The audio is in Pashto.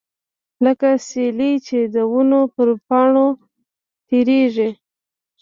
لکه سیلۍ چې د ونو پر پاڼو تیریږي.